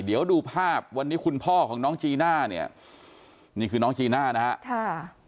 เดี๋ยวดูภาพวันนี้คุณพ่อของน้องจีน่าเนี่ยนี่คือน้องจีน่านะฮะค่ะ